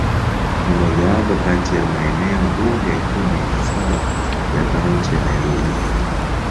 Ni mojawapo kati ya maeneo bunge kumi na saba ya Kaunti ya Nairobi.